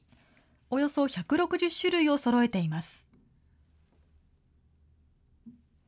およそ１６０種類をそろえています。